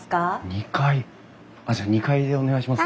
２階じゃあ２階でお願いします。